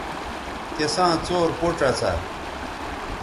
تِساں څور پوڇ اسا